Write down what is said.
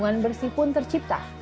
lingkungan bersih pun tercipta